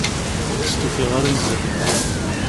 Ur d-stufiɣ ara i zzhu.